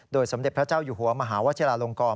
สมเด็จพระเจ้าอยู่หัวมหาวชิลาลงกร